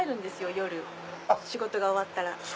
夜仕事が終わったら。